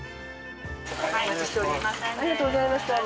お待ちしております。